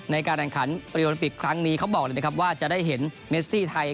ในการแข่งขันโอลิมปิกครั้งนี้เขาบอกเลยนะครับว่าจะได้เห็นเมซี่ไทย